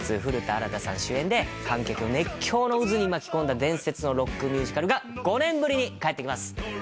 古田新太さん主演で観客を熱狂の渦に巻き込んだ伝説のロックミュージカルが５年ぶりに帰ってきます